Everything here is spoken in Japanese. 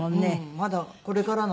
まだこれからなのに。